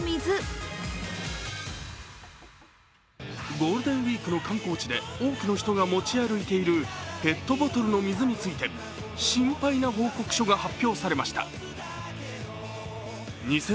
ゴールデンウイークの観光地で多くの人が持ち歩いているペットボトルの水について心配な報告書が発表されました。